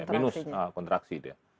minus kontraksi dia